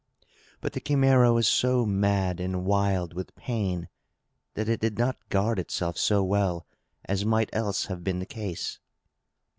But the Chimæra was so mad and wild with pain that it did not guard itself so well as might else have been the case.